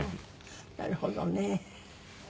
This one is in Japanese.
なるほどね。